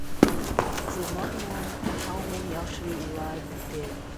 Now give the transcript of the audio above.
It is not known how many actually arrived there.